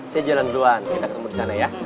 saya jalan duluan kita ketemu di sana ya